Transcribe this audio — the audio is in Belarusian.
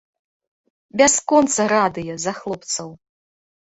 Бясконца радыя за хлопцаў!